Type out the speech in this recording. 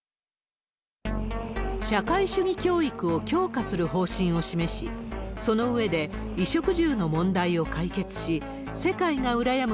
社会主義教育を強化する方針を示し、その上で、衣食住の問題を解決し、世界が羨む